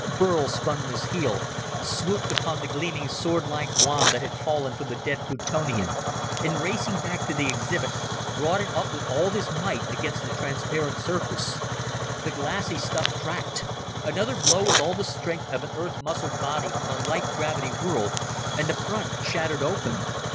Burl spun on his heel, swooped upon the gleaming swordlike wand that had fallen from the dead Plutonian, and racing back to the exhibit, brought it up with all his might against the transparent surface. The glassy stuff cracked. Another blow with all the strength of an Earth muscled body on a light gravity world, and the front shattered open.